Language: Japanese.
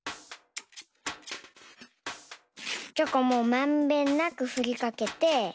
チョコもまんべんなくふりかけて。